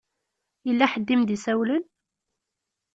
Yella ḥedd i m-d-isawlen?